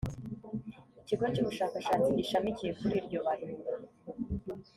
ikigo cy ubushakashatsi gishamikiye kuri iryo barura